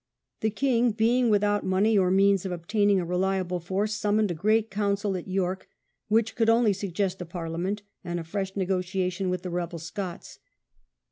The king, being without money or means of obtaining a reliable force, summoned a Great Council at York, which could only suggest a Parliament and a fresh negotiation with the rebel Scots.